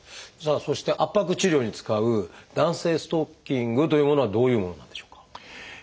そして圧迫治療に使う弾性ストッキングというものはどういうものなんでしょうか？